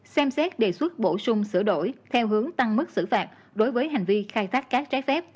xem xét đề xuất bổ sung sửa đổi theo hướng tăng mức xử phạt đối với hành vi khai thác cát trái phép